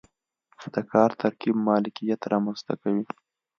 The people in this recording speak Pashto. د کار ترکیب مالکیت رامنځته کوي.